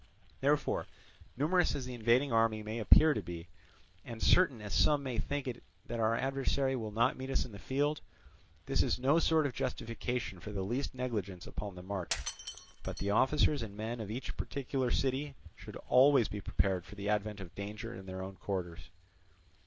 Therefore, numerous as the invading army may appear to be, and certain as some may think it that our adversary will not meet us in the field, this is no sort of justification for the least negligence upon the march; but the officers and men of each particular city should always be prepared for the advent of danger in their own quarters.